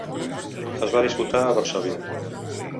Es va disputar a Varsòvia.